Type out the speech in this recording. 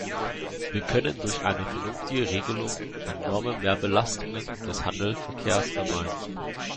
Wir können durch eine vernünftige Regelung enorme Mehrbelastungen des Handelsverkehrs vermeiden.